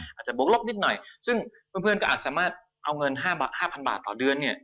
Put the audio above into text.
อาจจะบวกลบนิดหน่อยซึ่งเพื่อนก็อาจสามารถเอาเงิน๕๐๐บาทต่อเดือนเนี่ย